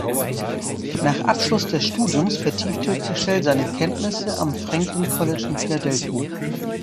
Nach Abschluss des Studiums vertiefte Peschel seine Kenntnisse am Franklin-College in Philadelphia.